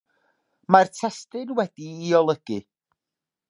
Mae'r testun wedi'i olygu.